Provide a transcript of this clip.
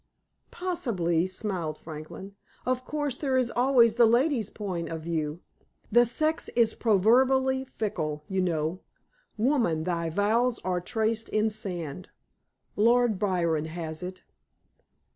"Possibly," smiled Franklin. "Of course there is always the lady's point of view. The sex is proverbially fickle, you know. 'Woman, thy vows are traced in sand,' Lord Byron has it."